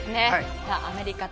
アメリカ対